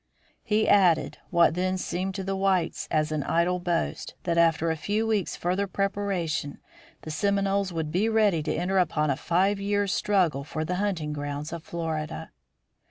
He added, what then seemed to the whites an idle boast, that after a few weeks' further preparation the Seminoles would be ready to enter upon a five years' struggle for the hunting grounds of Florida.